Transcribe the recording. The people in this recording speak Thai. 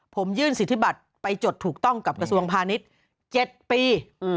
ผมยื่นสิทธิบัตรไปจดถูกต้องกับกระทรวงพาณิชย์๗ปี